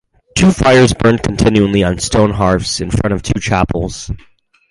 Two fires burned continually on stone hearths in front of two chapels.